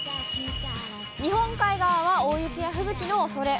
日本海側は大雪や吹雪のおそれ。